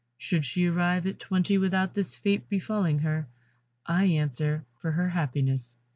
Should she arrive at twenty without this fate befalling her, I answer for her happiness."